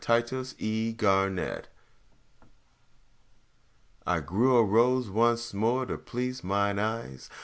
FULFILMENT I grew a rose once more to please mine eyes.